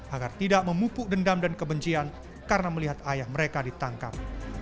agar tidak memupuk dendam dan kebencian karena melihat ayah mereka ditangkap